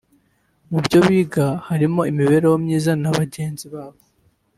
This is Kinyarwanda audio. Mu byo biga harimo imibereho myiza na bagenzi babo